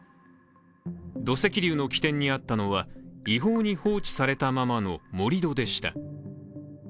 土石流の起点にあったのは違法に放置されたままの盛り土でした。